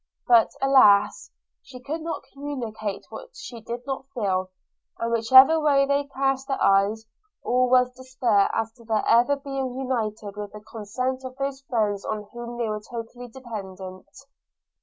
But, alas! she could not communicate what she did not feel; and whichever way they cast their eyes, all was despair as to their ever being united with the consent of those friends on whom they were totally dependent.